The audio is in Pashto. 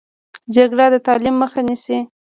جګړه د تعلیم مخه نیسي